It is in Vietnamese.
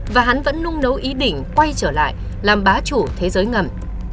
và hắn vẫn nung nấu ý định quay trở lại làm bá chủ thế giới ngầm